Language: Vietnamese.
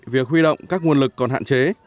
việc huy động các nguồn lực còn hạn chế